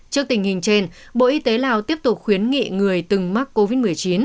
trước tình hình trên bộ y tế lào tiếp tục khuyến nghị người từng mắc covid một mươi chín